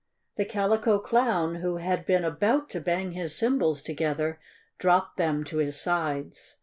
The Calico Clown, who had been about to bang his cymbals together, dropped them to his sides.